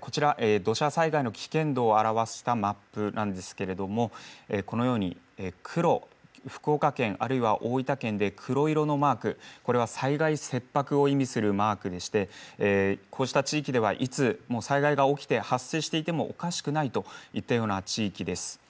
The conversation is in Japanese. こちら土砂災害の危険度を表したマップなんですがこのように福岡県、あるいは大分県で黒色のマーク、これは災害切迫を意味するマークでこうした地域では災害が起きて発生していてもおかしくないといったような地域です。